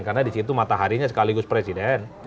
karena di situ mataharinya sekaligus presiden